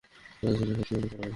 তারা ছিল সৎকর্মপরায়ণ।